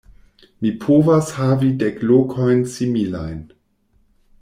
Mi povas havi dek lokojn similajn.